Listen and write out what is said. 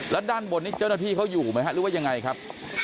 แล้วด้านบนนี้เจ้าหน้าที่เขาอยู่ไหมฮะหรือว่ายังไงครับ